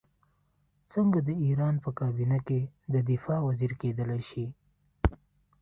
څنګه د ایران په کابینه کې د دفاع وزیر کېدلای شي.